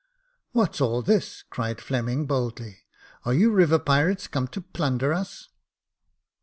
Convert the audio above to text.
"What's all this?" cried Fleming, boldly. "Are you river pirates, come to plunder us